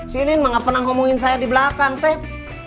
sini mengapa pernah ngomongin saya di belakang sep